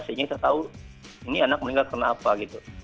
sehingga kita tahu ini anak meninggal kenapa gitu